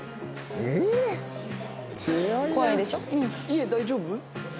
家大丈夫？